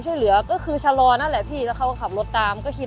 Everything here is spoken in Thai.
สวัสดีครับที่ได้รับความรักของคุณ